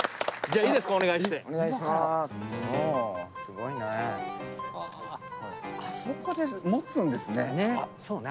あそこで持つんですね！